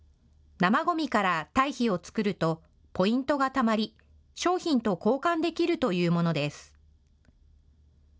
生ごみから堆肥を作るとポイントがたまり商品と交換できるというものです。